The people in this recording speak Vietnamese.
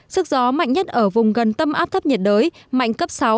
sức gió mạnh nhất ở vùng gần tâm áp thấp nhiệt đới mạnh cấp sáu